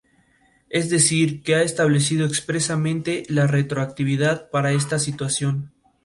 Es decir que ha establecido, expresamente, la retroactividad para esta situación.